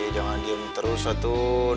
jangan diem terus atun